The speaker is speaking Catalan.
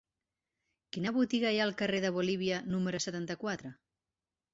Quina botiga hi ha al carrer de Bolívia número setanta-quatre?